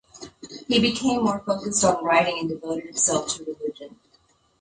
He became more focused on writing and devoted himself to religion.